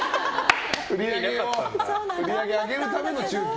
売り上げを上げるための中級。